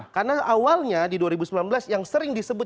karena awalnya di dua ribu sembilan belas yang sering disebut